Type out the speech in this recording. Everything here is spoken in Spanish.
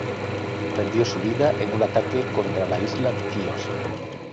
Perdió su vida en un ataque contra la isla de Quíos.